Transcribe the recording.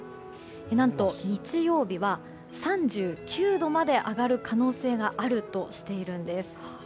何と日曜日は３９度まで上がる可能性があるとしているんです。